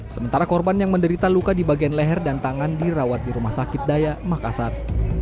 sementara korban yang menderita luka di bagian leher dan tangan dirawat di rumah sakit daya makassar